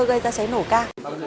gây ra cháy nổ ca